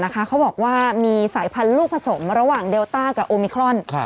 เขาบอกว่ามีสายพันธุ์ลูกผสมระหว่างเดลต้ากับโอมิครอน